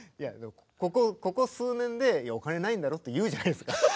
ここ数年で「お金ないんだろ？」って言うじゃないですか